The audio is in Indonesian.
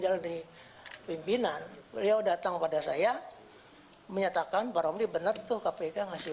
jalan di pimpinan beliau datang pada saya menyatakan barangnya benar tuh kpk ngasih